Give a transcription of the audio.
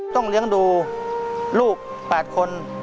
ต้องเลี้ยงดูลูก๘คน